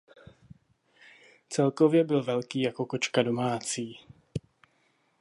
Celkově byl velký jako kočka domácí.